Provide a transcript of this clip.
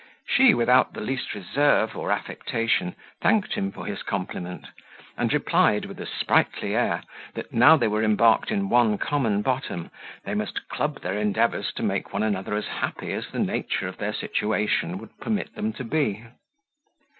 She, without the least reserve or affectation, thanked him for his compliment; and replied, with a sprightly air, that now they were embarked in one common bottom, they must club their endeavours to make one another as happy as the nature of their situation would permit them to be.